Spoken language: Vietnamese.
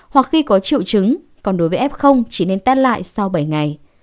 hoặc khi có triệu chứng còn đối với f chỉ nên tát lại sau bảy ngày